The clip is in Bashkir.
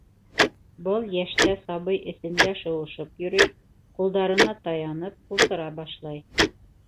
Был йәштә сабый эсендә шыуышып йөрөй, ҡулдарына таянып ултыра башлай.